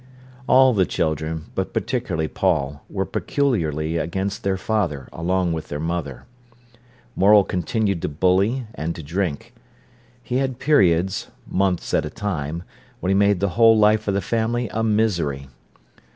All the children, but particularly Paul, were peculiarly against their father, along with their mother. Morel continued to bully and to drink. He had periods, months at a time, when he made the whole life of the family a misery.